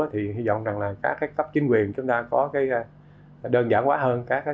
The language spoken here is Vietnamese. thì hy vọng rằng là các cái cấp chính quyền chúng ta có cái đơn giản quá hơn